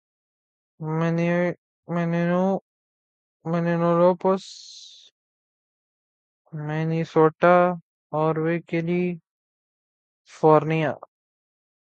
منینولوپس Minnesota Aruvi California